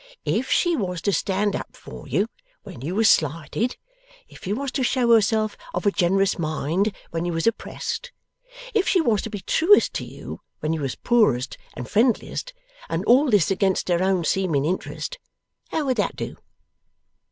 If she was to stand up for you when you was slighted, if she was to show herself of a generous mind when you was oppressed, if she was to be truest to you when you was poorest and friendliest, and all this against her own seeming interest, how would that do?"